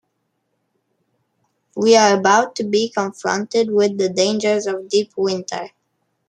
We are about to be confronted with the dangers of deep winter.